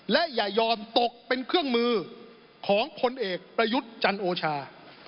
และอย่ายอมตกเป็นเครื่องมือของพลเอกประยุทธ์จันโอชา